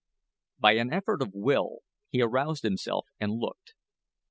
By an effort of will, he aroused himself and looked.